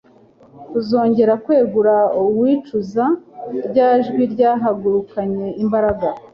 kuzongera kwegura uwicuza. Rya jwi ryahagurukanye imbaraga